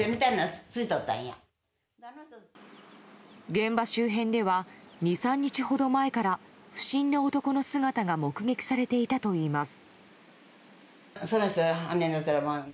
現場周辺では２３日ほど前から不審な男の姿が目撃されていたといいます。